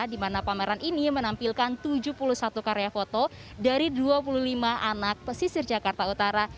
di mana pameran ini menampilkan tujuh puluh satu karya foto dari dua puluh lima anak pesisir jakarta utara